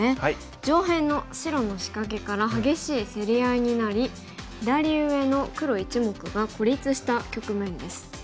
上辺の白の仕掛けから激しい競り合いになり左上の黒１目が孤立した局面です。